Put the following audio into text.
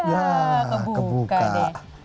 ya kebuka deh